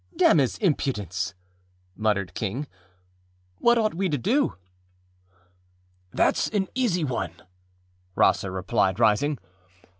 âDamn his impudence!â muttered Kingââwhat ought we to do?â âThatâs an easy one,â Rosser replied, rising.